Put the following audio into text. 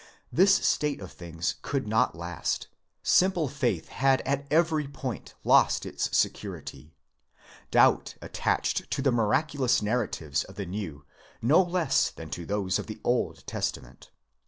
This state of things could not last; simple faith had at every point lost its security; doubt attached to the miraculous nar ratives of the New no less than to those of the Old Testament.